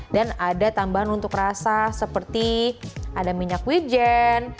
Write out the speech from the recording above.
dan ada tambahan untuk rasa seperti ada minyak wijen